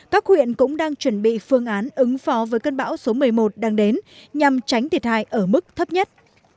các huyện cũng đang chuẩn bị phương án ứng phó với cơn bão số một mươi một đang đến nhằm tránh thiệt hại ở mức thấp nhất